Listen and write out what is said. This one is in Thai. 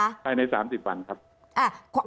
ภายใน๓๐วันครับ